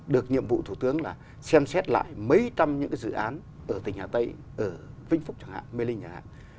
được nhiệm vụ thủ tướng là xem xét lại mấy trăm những cái dự án ở tỉnh hà tây ở vĩnh phúc chẳng hạn mê linh chẳng hạn